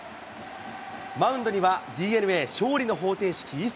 マウンドには、ＤｅＮＡ勝利の方程式、伊勢。